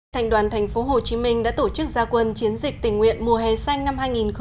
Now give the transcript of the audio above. thành đoàn tp hcm đã tổ chức gia quân chiến dịch tình nguyện mùa hè xanh năm hai nghìn một mươi chín